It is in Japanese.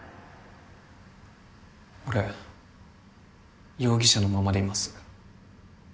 俺容疑者のままでいます